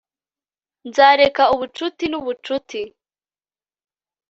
nzareka ubucuti n'ubucuti